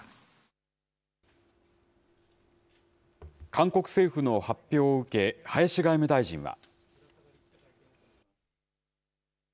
韓国政府の発表を受け、林外務大臣は。